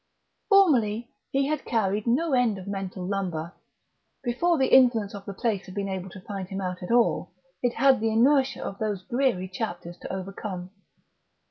Formerly, he had carried no end of mental lumber. Before the influence of the place had been able to find him out at all, it had had the inertia of those dreary chapters to overcome.